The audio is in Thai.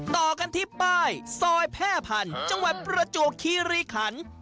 ต่อกันที่ป้ายซอยแพร่พันธุ์จังหวัดประจวบคีรีขัน